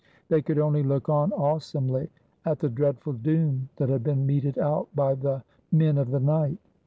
They could only look on, awesomely, at the dreadful doom that had been meted out by the " Men of the Night."